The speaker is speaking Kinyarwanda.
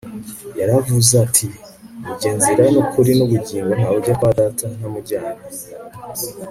Yaravuzati Ni ye nzira nukuri nubugingo nta ujya kwa Data ntamujyanye